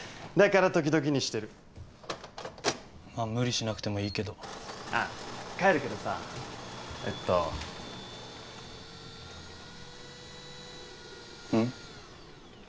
だから時々にしてるま無理しなくてもいいけどあっ帰るけどさえっとうん？